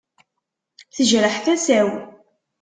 Tejreḥ tasa-w.